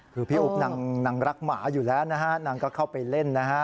คือพี่อุ๊บนางรักหมาอยู่แล้วนะฮะนางก็เข้าไปเล่นนะฮะ